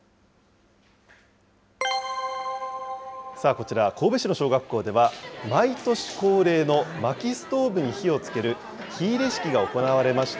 こちら、神戸市の小学校では毎年恒例のまきストーブに火をつける火入れ式が行われました。